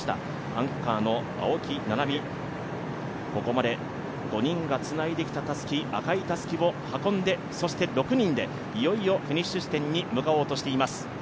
アンカーの青木奈波、ここまで５人がつないできたたすき、赤いたすきを運んで６人でいよいよフィニッシュ地点に向かおうとしています。